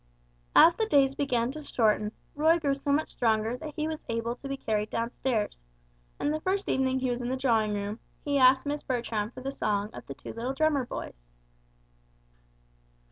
As the days began to shorten, Roy grew so much stronger that he was able to be carried downstairs, and the first evening he was in the drawing room, he asked Miss Bertram for the song of the two little drummer boys.